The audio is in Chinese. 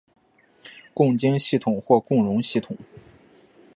共晶系统或共熔系统。